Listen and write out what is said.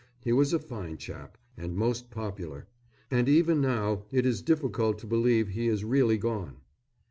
He was a fine chap, and most popular, and even now it is difficult to believe he is really gone.